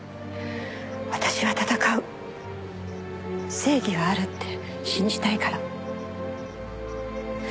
「私は戦う」「正義はあるって信じたいから」